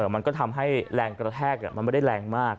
มันก็ทำให้แรงกระแทกมันไม่ได้แรงมาก